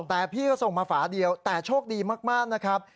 แต่พี่ก็ส่งมาฝาเดียวแต่โชคดีมากนะครับ